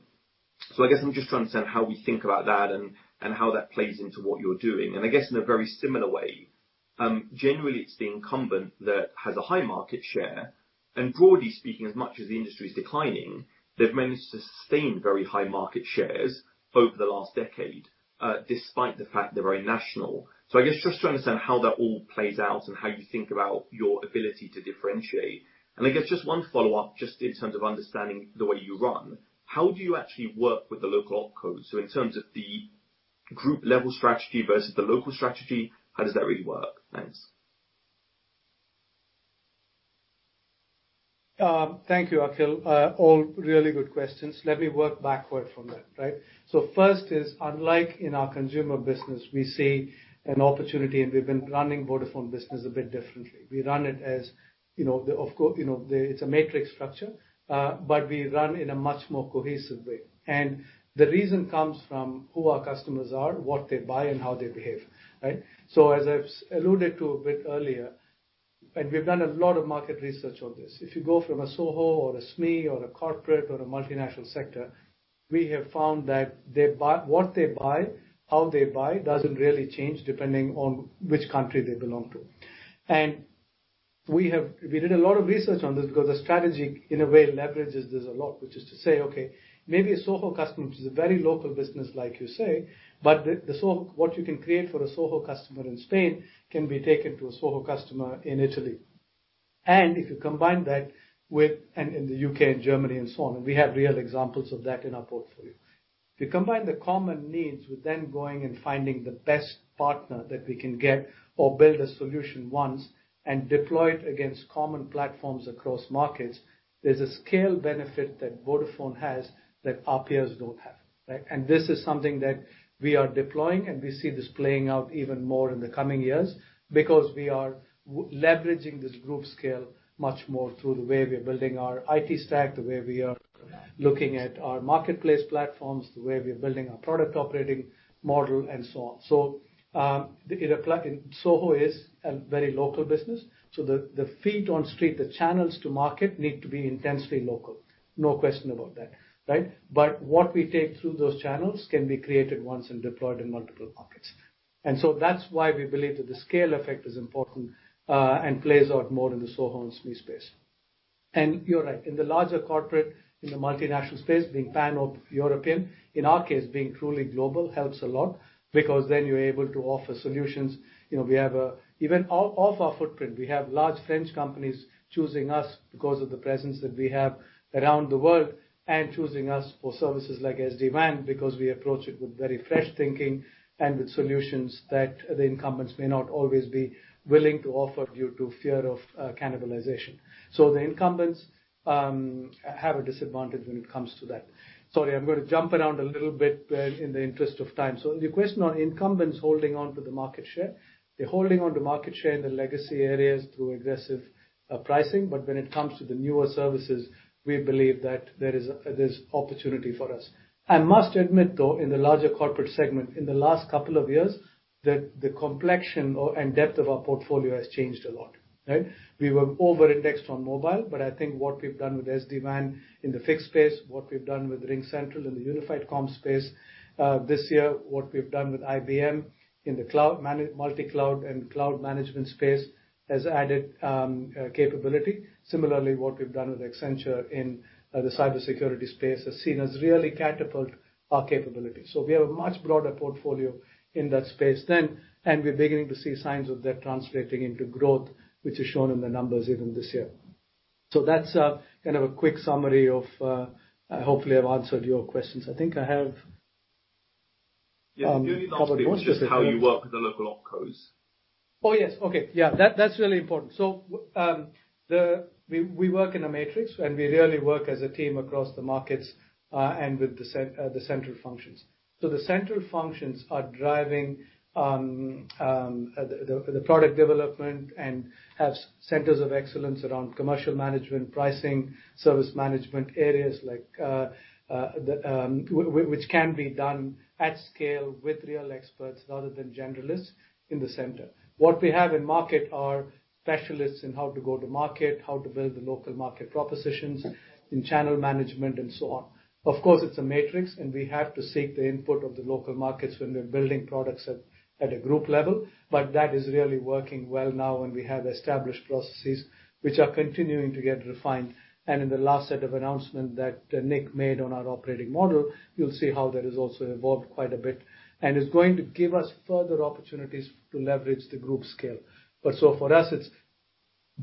N: I guess I'm just trying to understand how we think about that and how that plays into what you're doing. I guess in a very similar way, generally it's the incumbent that has a high market share, and broadly speaking, as much as the industry's declining, they've managed to sustain very high market shares over the last decade, despite the fact they're very national. I guess just to understand how that all plays out and how you think about your ability to differentiate. I guess just one follow-up, just in terms of understanding the way you run, how do you actually work with the local opco? In terms of the group level strategy versus the local strategy, how does that really work? Thanks.
A: Thank you, Akhil. All really good questions. Let me work backward from that, right? First is, unlike in our consumer business, we see an opportunity, and we've been running Vodafone Business a bit differently. We run it as a matrix structure, but we run in a much more cohesive way. The reason comes from who our customers are, what they buy, and how they behave, right? As I've alluded to a bit earlier, and we've done a lot of market research on this, if you go from a SOHO or a SME or a corporate or a multinational sector, we have found that what they buy, how they buy, doesn't really change depending on which country they belong to. We did a lot of research on this because the strategy, in a way, leverages this a lot, which is to say, okay, maybe a SOHO customer, which is a very local business like you say, but what you can create for a SOHO customer in Spain can be taken to a SOHO customer in Italy. If you combine that with in the U.K. and Germany and so on, we have real examples of that in our portfolio. If you combine the common needs with then going and finding the best partner that we can get or build a solution once and deploy it against common platforms across markets, there's a scale benefit that Vodafone has that our peers don't have, right? This is something that we are deploying, and we see this playing out even more in the coming years because we are leveraging this group scale much more through the way we are building our IT stack, the way we are looking at our marketplace platforms, the way we are building our product operating model, and so on. SOHO is a very local business, so the feet on street, the channels to market need to be intensely local. No question about that, right. What we take through those channels can be created once and deployed in multiple markets. That's why we believe that the scale effect is important, and plays out more in the SOHO and SME space. You're right, in the larger corporate, in the multinational space, being Pan-European, in our case, being truly global helps a lot because then you're able to offer solutions. Even off our footprint, we have large French companies choosing us because of the presence that we have around the world, and choosing us for services like SD-WAN, because we approach it with very fresh thinking and with solutions that the incumbents may not always be willing to offer due to fear of cannibalization. The incumbents have a disadvantage when it comes to that. Sorry, I'm going to jump around a little bit, in the interest of time. The question on incumbents holding onto the market share. They're holding on to market share in the legacy areas through aggressive pricing, but when it comes to the newer services, we believe that there's opportunity for us. I must admit, though, in the larger corporate segment, in the last couple of years, the complexion and depth of our portfolio has changed a lot, right? We were over-indexed on mobile, but I think what we've done with SD-WAN in the fixed space, what we've done with RingCentral in the unified comms space, this year what we've done with IBM in the multi-cloud and cloud management space has added capability. Similarly, what we've done with Accenture in the cybersecurity space has seen us really catapult our capability. We have a much broader portfolio in that space then, and we're beginning to see signs of that translating into growth, which is shown in the numbers even this year. That's kind of a quick summary. Hopefully, I've answered your questions.
N: Yeah. The only thing I was just how you work with the local opcos.
A: Oh, yes. Okay. Yeah, that is really important. We work in a matrix, and we really work as a team across the markets, and with the central functions. The central functions are driving the product development and have centers of excellence around commercial management, pricing, service management areas, which can be done at scale with real experts rather than generalists in the center. What we have in market are specialists in how to go to market, how to build the local market propositions, in channel management, and so on. Of course, it is a matrix, and we have to seek the input of the local markets when we are building products at a group level. That is really working well now, and we have established processes which are continuing to get refined. In the last set of announcement that Nick made on our operating model, you'll see how that has also evolved quite a bit. It's going to give us further opportunities to leverage the Group scale. For us, it's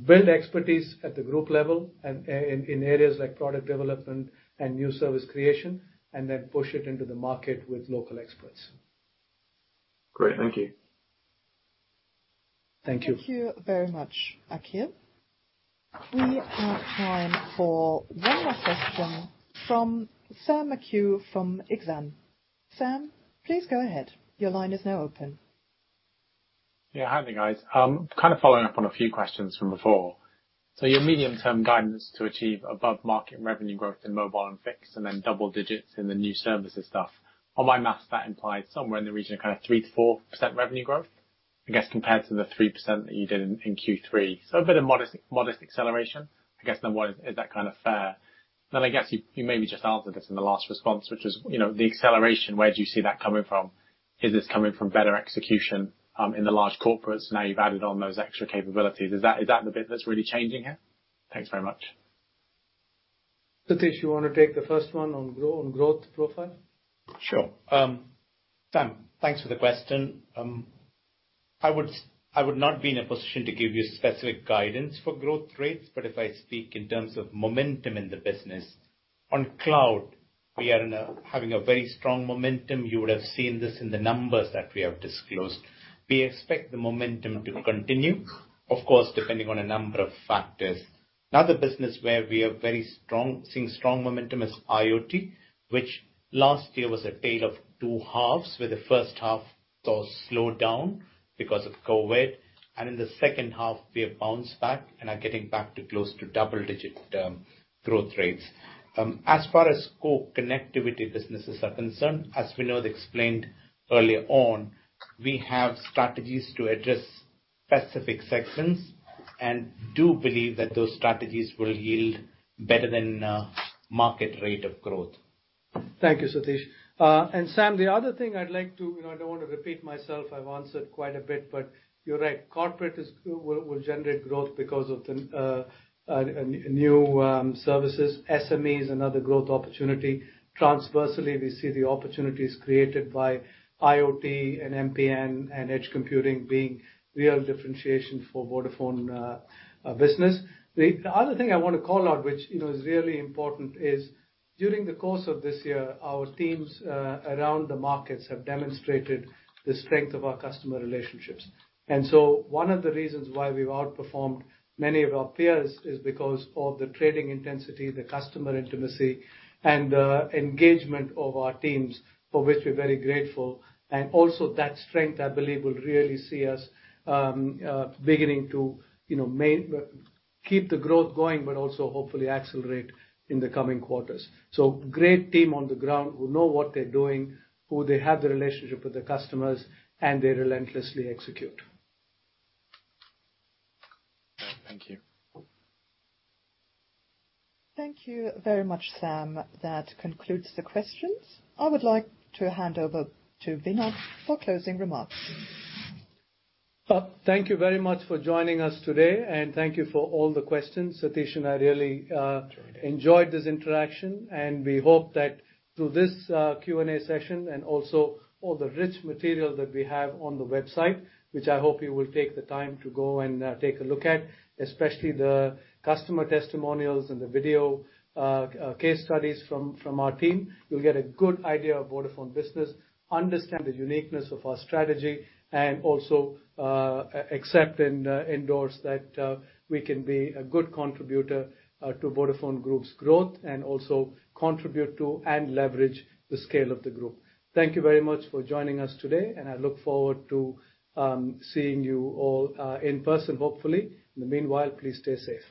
A: build expertise at the Group level and in areas like product development and new service creation, then push it into the market with local experts.
N: Great. Thank you.
A: Thank you very much, Akhil. We have time for one more question from Sam McHugh from Exane. Sam, please go ahead.
O: Hi there, guys. Kind of following up on a few questions from before. Your medium-term guidance to achieve above-market revenue growth in mobile and fixed, and then double digits in the new services stuff. On my math, that implies somewhere in the region of 3%-4% revenue growth, I guess, compared to the 3% that you did in Q3. A bit of modest acceleration. I guess, is that kind of fair? I guess you maybe just answered this in the last response, which is, the acceleration, where do you see that coming from? Is this coming from better execution in the large corporates now you've added on those extra capabilities? Is that the bit that's really changing here? Thanks very much.
A: Sateesh, you want to take the first one on growth profile?
L: Sure. Sam, thanks for the question. I would not be in a position to give you specific guidance for growth rates, but if I speak in terms of momentum in the business, on cloud, we are having a very strong momentum. You would have seen this in the numbers that we have disclosed. We expect the momentum to continue, of course, depending on a number of factors. Another business where we are seeing strong momentum is IoT, which last year was a tale of two halves, where the first half saw a slowdown because of COVID, and in the second half, we have bounced back and are getting back to close to double-digit growth rates. As far as core connectivity businesses are concerned, as Vinod explained earlier on, we have strategies to address specific sections, do believe that those strategies will yield better than a market rate of growth. Thank you, Sateesh. Sam, the other thing I'd like to I don't want to repeat myself, I've answered quite a bit, but you're right. Corporate will generate growth because of the new services. SMEs, another growth opportunity. Transversally, we see the opportunities created by IoT and MPN and edge computing being real differentiation for Vodafone Business. The other thing I want to call out, which is really important, is during the course of this year, our teams around the markets have demonstrated the strength of our customer relationships.
A: One of the reasons why we've outperformed many of our peers is because of the trading intensity, the customer intimacy, and the engagement of our teams, for which we're very grateful. Also that strength, I believe, will really see us beginning to keep the growth going, but also hopefully accelerate in the coming quarters. Great team on the ground who know what they're doing, who they have the relationship with the customers, and they relentlessly execute.
O: Thank you.
B: Thank you very much, Sam. That concludes the questions. I would like to hand over to Vinod for closing remarks.
A: Thank you very much for joining us today, and thank you for all the questions. Sathish and I really enjoyed this interaction, and we hope that through this Q&A session and also all the rich material that we have on the website, which I hope you will take the time to go and take a look at, especially the customer testimonials and the video case studies from our team. You'll get a good idea of Vodafone Business, understand the uniqueness of our strategy, and also accept and endorse that we can be a good contributor to Vodafone Group's growth and also contribute to and leverage the scale of the group. Thank you very much for joining us today, and I look forward to seeing you all in person, hopefully. In the meanwhile, please stay safe.